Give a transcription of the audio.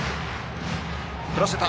振らせた。